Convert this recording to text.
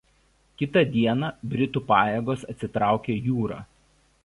Kitą dieną britų pajėgos atsitraukė jūra.